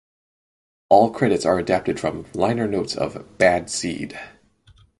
All credits are adapted from liner notes of "Bad Seed".